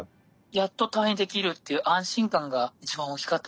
やっと退院できるっていう安心感が一番大きかったです。